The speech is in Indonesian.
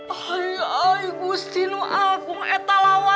ayay gusti aku gak tahu